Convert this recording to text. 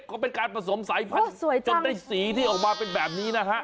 ก็เป็นการผสมสายพันธุ์จนได้สีที่ออกมาเป็นแบบนี้นะฮะ